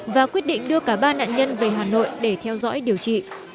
và quyết định đưa cả ba nạn nhân về hà nội để theo dõi điều trị